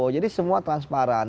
jadi semua transparan